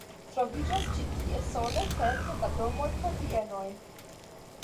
Troviĝas ĉi tie sole kelke da domoj kaj bienoj.